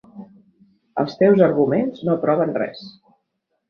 Els teus arguments no proven res.